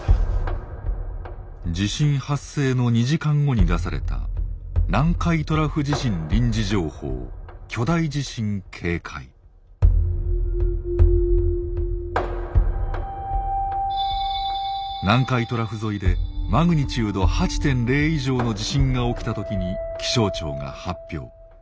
地震発生の２時間後に出された南海トラフ沿いでＭ８．０以上の地震が起きた時に気象庁が発表。